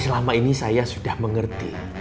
selama ini saya sudah mengerti